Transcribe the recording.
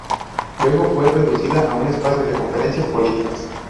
Luego fue reducida a un espacio de conferencias políticas.